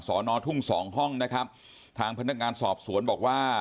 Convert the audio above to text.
สอนอทุ่งสองห้องนะครับทางพนักงานสอบสวนบอกว่า